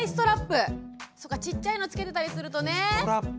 そっかちっちゃいのつけてたりするとね。